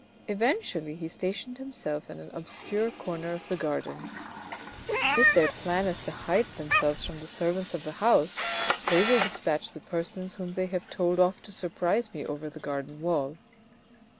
Eventually he stationed himself in an obscure corner of the garden. " If their plan is to hide themselves from the servants of the house, they will despatch the persons whom they have told off to surprise me over the garden wall.